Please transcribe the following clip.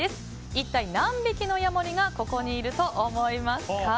一体、何匹のヤモリがここにいると思いますか？